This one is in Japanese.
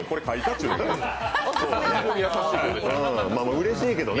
うれしいけどね。